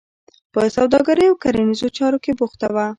په سوداګرۍ او کرنیزو چارو کې بوخته وه.